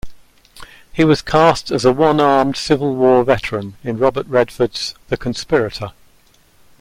He was cast as a one-armed Civil War veteran in Robert Redford's "The Conspirator".